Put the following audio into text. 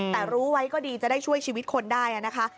แต่รู้ไว้ก็ดีจะได้ช่วยชีวิตคนได้นะคะ